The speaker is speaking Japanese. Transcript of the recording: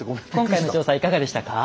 今回の調査いかがでしたか？